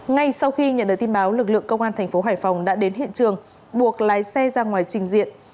ngay sau khi nhận được tin báo lực lượng công an thành phố hải phòng đã đến hiện trường buộc lái xe ra ngoài trình diện